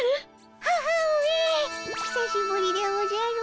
母上ひさしぶりでおじゃる。